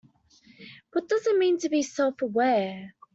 What does it mean to be self-aware?